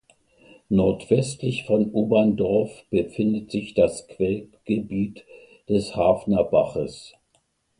Nordwestlich von Oberndorf befindet sich das Quellgebiet des Hafnerbaches.